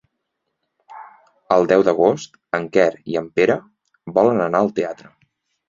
El deu d'agost en Quer i en Pere volen anar al teatre.